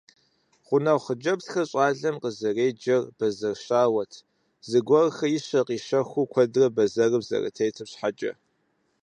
Гъунэгъу хъыджэбзхэр щӀалэм къызэреджэр бэзэр щауэт, зыгуэрхэр ищэ-къищэхуу куэдрэ бэзэрым зэрытетым щхьэкӀэ.